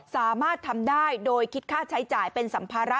สามารถทำได้โดยคิดค่าใช้จ่ายเป็นสัมภาระ